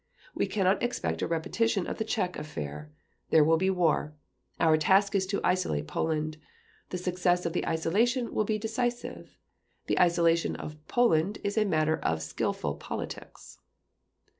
We cannot expect a repetition of the Czech affair. There will be war. Our task is to isolate Poland. The success of the isolation will be decisive .... The isolation of Poland is a matter of skillful politics."